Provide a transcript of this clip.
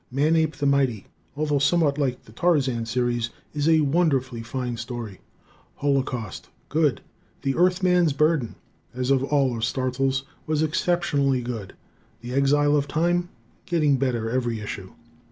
"Manape the Mighty," although somewhat like the Tarzan series, is a wonderfully fine story. "Holocaust" good. "The Earthman's Burden," as all of Starzl's, was exceptionally good. "The Exile of Time" getting better every issue.